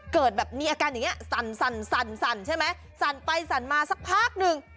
เกิดแบบมีอาการอย่างนี้สั่นใช่ไหมสั่นไปสั่นมาสักพักหนึ่ง